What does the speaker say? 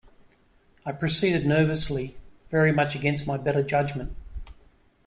I proceeded nervously, very much against my better judgement.